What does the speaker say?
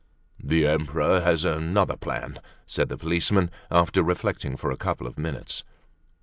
"The Emperor has another plan," said the policeman, after reflecting for a couple of minutes.